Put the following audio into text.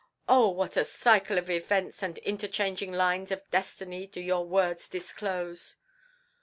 Oh, what a cycle of events and interchanging lines of destiny do your words disclose!"